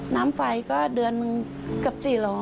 น้ำไฟก็เดือนหนึ่งเกือบ๔๐๐